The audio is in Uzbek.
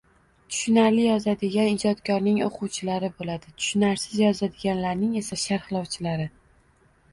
Tushunarli yozadigan ijodkorning oʻquvchilari boʻladi, tushunarsiz yozadiganlarning esa sharhlovchilari